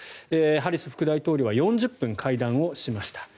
ハリス副大統領は４０分会談をしました。